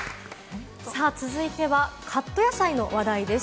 続いてはカット野菜の話題です。